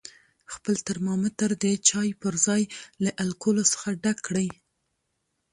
خپل ترمامتر د چای په ځای له الکولو څخه ډک کړئ.